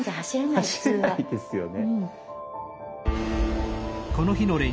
走れないですよね。